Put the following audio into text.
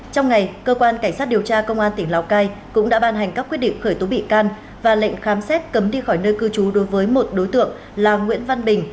trong ngày cơ quan cảnh sát điều tra công an tỉnh lào cai cũng đã ban hành các quyết định khởi tố bị can và lệnh khám xét cấm đi khỏi nơi cư trú đối với một đối tượng là nguyễn văn bình